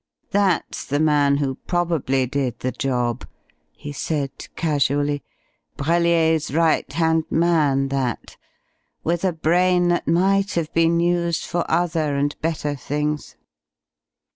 "That's the man who probably did the job," he said casually. "Brellier's right hand man, that. With a brain that might have been used for other and better things."